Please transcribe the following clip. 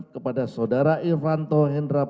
kepada saudara irvanto hendras